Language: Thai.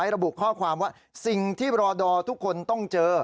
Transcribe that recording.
ระบุข้อความว่าสิ่งที่รอดอทุกคนต้องเจอ